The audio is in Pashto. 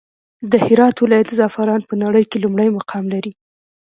د هرات ولايت زعفران په نړى کې لومړى مقام لري.